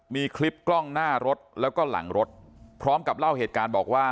มีคลิปกล้องหน้ารถแล้วก็หลังรถพร้อมกับเล่าเหตุการณ์บอกว่า